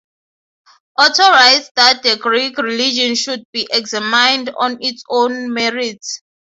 Otto writes that the Greek religion should be examined on its own merits.